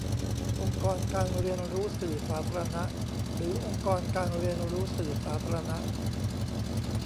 องค์กรการเรียนรู้สื่อสาธารณะ หรือ องค์กรการเรียนรู้สื่อสาธารณะ ?